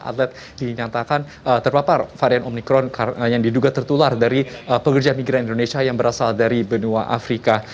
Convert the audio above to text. atlet dinyatakan terpapar varian omikron yang diduga tertular dari pekerja migran indonesia yang berasal dari benua afrika